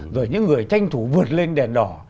rồi những người tranh thủ vượt lên đèn đỏ